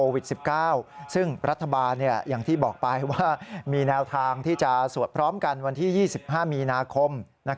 ว่ามีแนวทางที่จะสวดพร้อมกันวันที่๒๕มีนาคม